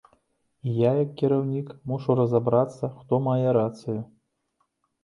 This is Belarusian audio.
І я, як кіраўнік, мушу разабрацца, хто мае рацыю.